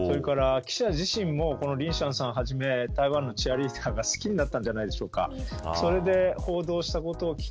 この人気ぶりと、それから記者自身もリン・シャンさんをはじめ台湾のチアリーダーが好きになったんじゃないでしょうか。